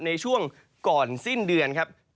ในช่วงก่อนสิ้นเดือนครับ